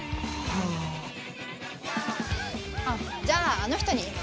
じゃああの人に。